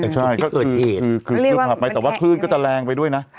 ใช่คือคลื่นผ่านไปแต่ว่าคลื่นก็จะแรงไปด้วยนะ